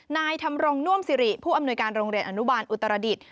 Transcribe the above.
นายทำรงนวมสิริผู้อำนวยการโรงเรียนอนุบาลอุตรศาสตร์อดีต